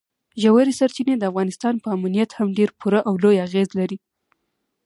ژورې سرچینې د افغانستان په امنیت هم ډېر پوره او لوی اغېز لري.